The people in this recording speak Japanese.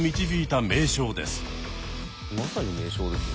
まさに名将ですよ